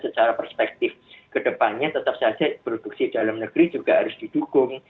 secara perspektif kedepannya tetap saja produksi dalam negeri juga harus didukung